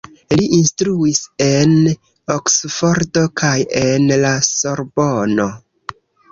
Li instruis en Oksfordo kaj en la Sorbono.